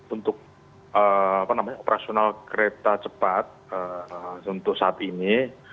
untuk operasional kereta cepat untuk saat ini